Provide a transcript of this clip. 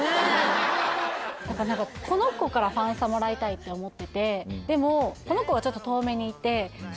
この子からファンサもらいたいって思っててでもこの子はちょっと遠めにいてそし